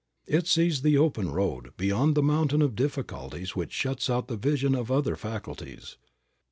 It sees the open road, beyond the mountain of difficulties which shuts out the vision of the other faculties.